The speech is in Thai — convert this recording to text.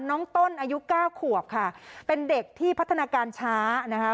น้องต้นอายุเก้าขวบค่ะเป็นเด็กที่พัฒนาการช้านะคะ